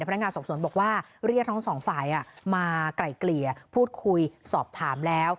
พนักงานสอบสวนบอกว่าเรียกทั้งสองฝ่ายมาไกล่เกลี่ยพูดคุยสอบถามแล้ว